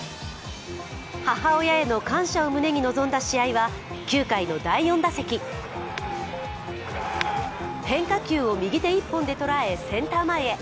母親への感謝を胸に臨んだ試合は９回の第４打席変化球を右手一本で捉えセンター前へ。